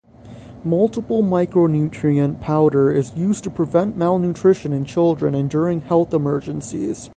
Multiple micronutrient powder is used to prevent malnutrition in children and during health emergencies.